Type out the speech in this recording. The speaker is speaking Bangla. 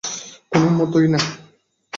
কোনো মতেই না!